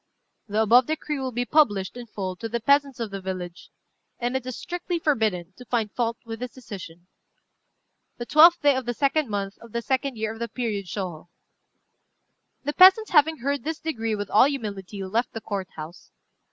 "The above decree will be published, in full, to the peasants of the village; and it is strictly forbidden to find fault with this decision. "The 12th day of the 2d month, of the 2d year of the period Shôhô." The peasants, having heard this degree with all humility, left the Court house.